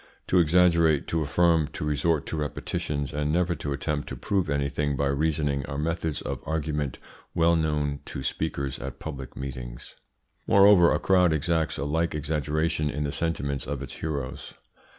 To exaggerate, to affirm, to resort to repetitions, and never to attempt to prove anything by reasoning are methods of argument well known to speakers at public meetings. Moreover, a crowd exacts a like exaggeration in the sentiments of its heroes.